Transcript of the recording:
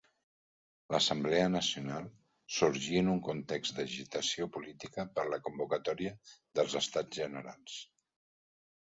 L'Assemblea nacional sorgí en un context d'agitació política per la convocatòria dels Estats generals.